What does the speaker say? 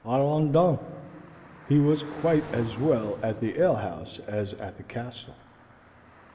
Allons donc! He was quite as well at the alehouse as at the castle.